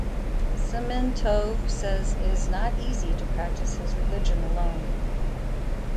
Simintov says it is not easy to practice his religion alone.